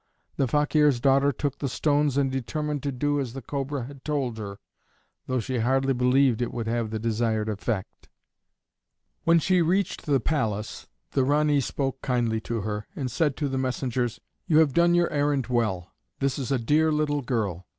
The Fakeer's daughter took the stones and determined to do as the Cobra had told her, though she hardly believed it would have the desired effect. When she reached the palace the Ranee spoke kindly to her, and said to the messengers: "You have done your errand well; this is a dear little girl."